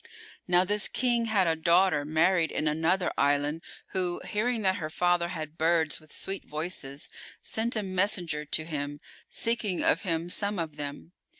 Now this King had a daughter married in another island who, hearing that her father had birds with sweet voices, sent a messenger to him seeking of him some of them.